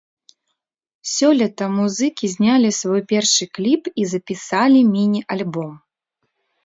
Сёлета музыкі знялі свой першы кліп і запісалі міні-альбом.